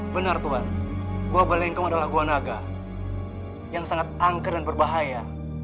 benar tuhan buah balengkong adalah gua naga yang sangat angker dan berbahaya